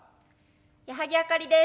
矢作あかりです。